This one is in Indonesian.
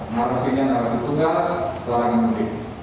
narasinya narasi tunggal pelarangan mudik